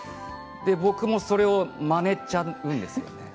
僕もそれをまねちゃうんです。